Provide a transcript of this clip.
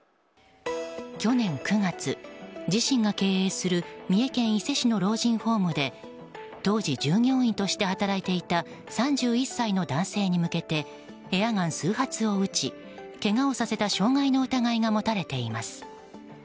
去年９月、自身が経営する三重県伊勢市の老人ホームで当時、従業員として働いていた３１歳の男性に向けてエアガン数発を撃ちけがをさせた傷害の疑いが持たれています。